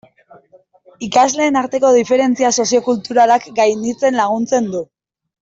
Ikasleen arteko diferentzia soziokulturalak gainditzen laguntzen du.